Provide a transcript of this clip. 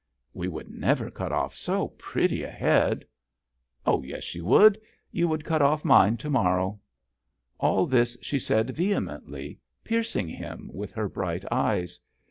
"We would never cut off so pretty a head." " Oh, yes, you would you would cut off mine to morrow." All this she said vehemently, piercing him with her bright eyes.